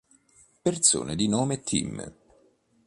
Persone di nome Tim